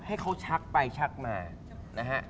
ให้เขาชักไปชักมานะฮะ